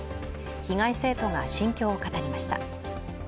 被害生徒が心境を語りました。